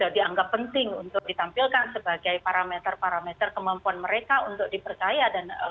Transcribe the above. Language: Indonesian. dianggap penting untuk ditampilkan sebagai parameter parameter kemampuan mereka untuk dipercaya dan